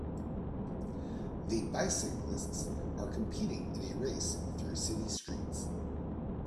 The bicyclists are competing in a race through city streets